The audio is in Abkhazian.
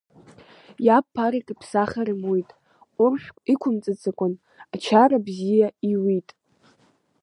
Иаб ԥарак иԥсахыр имуит, ҟәрышьк иқәымҵаӡакәан, ачара бзиа иуит.